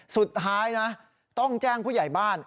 สุดท้ายนะต้องแจ้งผู้ใหญ่บ้าน